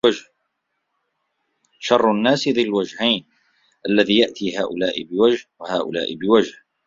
شَرُّ النَّاسِ ذُو الْوَجْهَيْنِ الَّذِي يَأْتِي هَؤُلَاءِ بِوَجْهٍ وَهَؤُلَاءِ بِوَجْهٍ